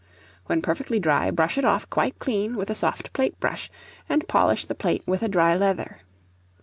When perfectly dry, brush it off quite clean with a soft plate brush, and polish the plate with a dry leather.